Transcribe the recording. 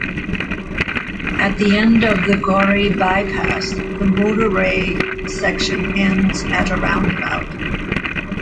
At the end of the Gorey bypass the motorway section ends at a roundabout.